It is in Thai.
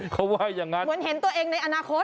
เขาว่าอย่างนั้นเหมือนเห็นตัวเองในอนาคต